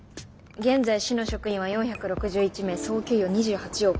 現在市の職員は４６１名総給与２８億。